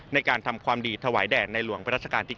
ในการทำความดีถวายแด่ในหลวงพระราชกาลที่๙